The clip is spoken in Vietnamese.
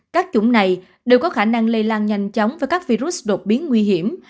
các chủng này đều có khả năng lây lan nhanh chóng với các virus đột biến nguy hiểm